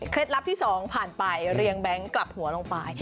เขตลับที่สองผ่านไปแบงค์เรียงกลับหัวลงไป